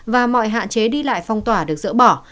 và mọi hạn chế đi lại phong tỏa được dỡ bỏ